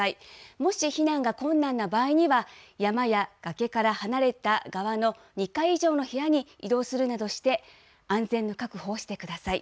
もし避難が困難な場合には、山や崖から離れた側の２階以上の部屋に移動するなどして安全の確保をしてください。